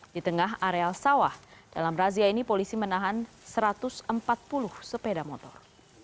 di tengah areal sawah dalam razia ini polisi menahan satu ratus empat puluh sepeda motor